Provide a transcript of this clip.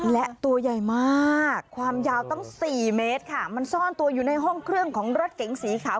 และตัวใหญ่มากความยาวตั้งสี่เมตรค่ะมันซ่อนตัวอยู่ในห้องเครื่องของรถเก๋งสีขาว